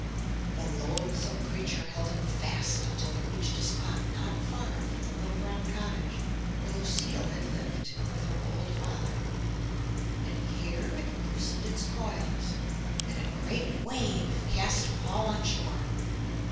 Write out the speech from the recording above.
The loathsome creature held him fast until they reached a spot not far from the little brown cottage where Lucile had lived with her old father, and here it loosened its coils; and a great wave cast Paul on shore.